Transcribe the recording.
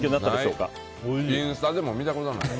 インスタでも見たことない。